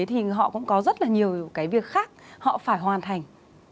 thì họ cũng có rất là nhiều cái việc khác họ phải hoàn thành